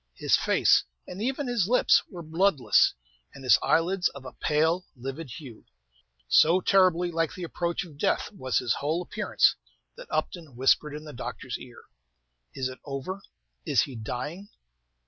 His face, and even his lips, were bloodless, and his eyelids of a pale, livid hue. So terribly like the approach of death was his whole appearance that Upton whispered in the doctor's ear, "Is it over? Is he dying?"